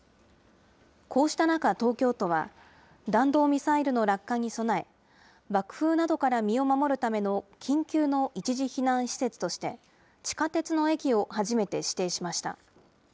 こうした中、東京都は弾道ミサイルの落下に備え、爆風などから身を守るための緊急の一時避難施設として、地下鉄の駅を初めて指定しました。